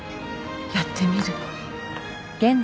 やってみる